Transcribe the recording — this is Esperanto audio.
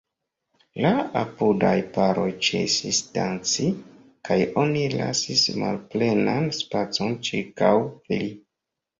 La apudaj paroj ĉesis danci, kaj oni lasis malplenan spacon ĉirkaŭ li.